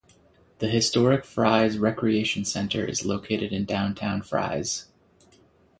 The historic Fries Recreation Center is located in downtown Fries.